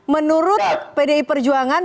menurut pdi perjuangan